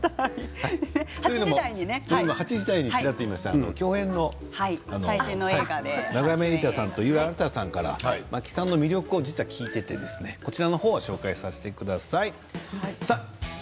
８時台に言いました共演の永山瑛太さんと井浦新さんから真木さんの魅力を聞いていてこちらを紹介させてください。